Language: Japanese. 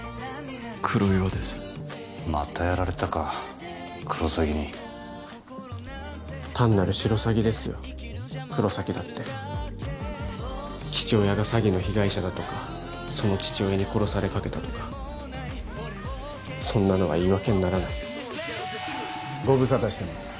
黒岩ですまたやられたかクロサギに単なるシロサギですよ黒崎だって父親が詐欺の被害者だとかその父親に殺されかけたとかそんなのは言い訳にならないご無沙汰してます